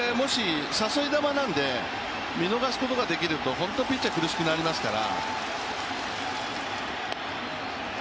誘い球なんで、見逃すことができると本当、ピッチャー苦しくなりますから。